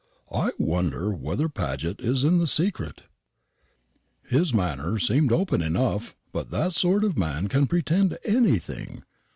I wonder whether Paget is in the secret. His manner seemed open enough; but that sort of man can pretend anything.